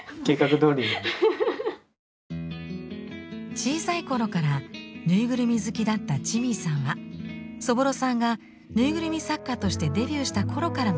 小さい頃からぬいぐるみ好きだったチミーさんはそぼろさんがぬいぐるみ作家としてデビューした頃からの大ファン。